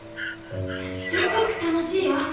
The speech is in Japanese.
すっごく楽しいよ！